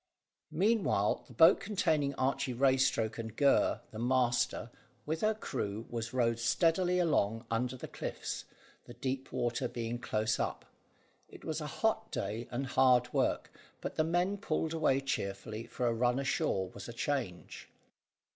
Meanwhile the boat containing Archy Raystoke and Gurr the master, with her crew, was rowed steadily along under the cliffs, the deep water being close up. It was a hot day and hard work, but the men pulled away cheerfully, for a run ashore was a change.